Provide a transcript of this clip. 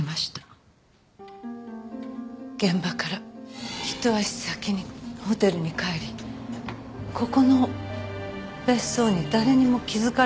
現場からひと足先にホテルに帰りここの別荘に誰にも気づかれないように来たわ。